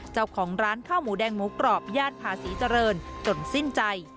เจ้าของร้านข้าวหมูแดงหมูกรอบย่านภาษีเจริญจนสิ้นใจ